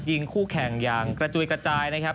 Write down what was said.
ยิงคู่แข่งอย่างกระจุยกระจายนะครับ